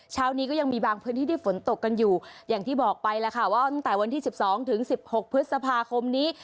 เช้านี้ก็ยังมีบางพื้นที่ที่ฝนตกกันอยู่อย่างที่บอกไปแล้วค่ะว่าตั้งแต่วันที่๑๒ถึง๑๖พฤษภาคมนี้